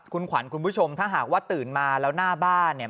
คุณขวัญคุณผู้ชมถ้าหากว่าตื่นมาแล้วหน้าบ้านเนี่ย